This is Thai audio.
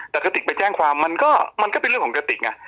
แต่กะติกไปแจ้งความมันก็เป็นเรื่องของกะติก